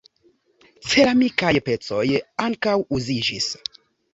Ceramikaj pecoj ankaŭ uziĝis.